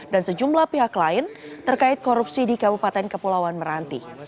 dan sejumlah pihak lain terkait korupsi di kabupaten kepulauan meranti